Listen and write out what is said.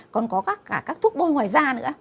còn có các thuốc bôi ngoài da nữa